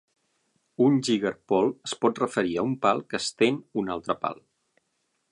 Un "jiggerpole" es pot referir a un pal que estén un altre pal.